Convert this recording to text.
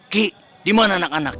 ki dimana anak anak